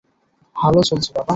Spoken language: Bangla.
ভালো চলছে, বাবা।